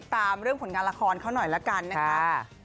ตามเรื่องผลงานละครของเขาแบบนี้